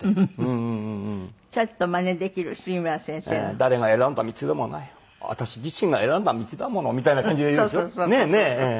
「誰が選んだ道でもない私自身が選んだ道だもの」みたいな感じで言うでしょ？ねえ？ねえ？